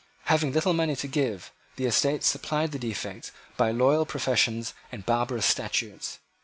Having little money to give, the Estates supplied the defect by loyal professions and barbarous statutes.